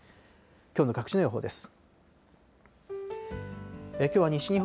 きょうの各地の予報です。